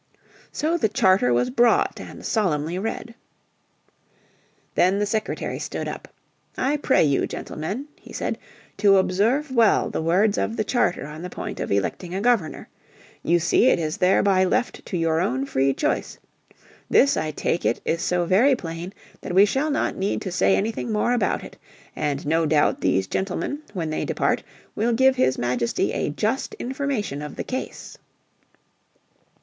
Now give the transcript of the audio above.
So the charter was brought and solemnly read. Then the secretary stood up. "I pray you, gentlemen," he said, "to observe well the words of the charter on the point of electing a Governor. You see it is thereby left to your own free choice. This I take it is so very plain that we shall not need to say anything more about it. And no doubt these gentlemen when they depart will give his Majesty a just information of the case."